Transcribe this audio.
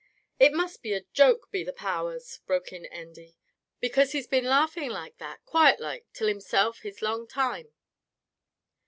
"It must be a joke, be the powers;" broke in Andy, "because he's been laughin' that quiet loike till himsilf this long toime."